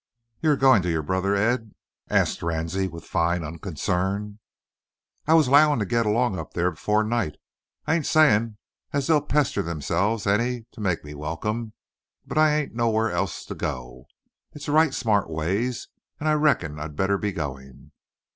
"You air a goin' to your brother Ed's?" asked Ransie, with fine unconcern. "I was 'lowin' to get along up thar afore night. I ain't sayin' as they'll pester theyselves any to make me welcome, but I hain't nowhar else fur to go. It's a right smart ways, and I reckon I better be goin'.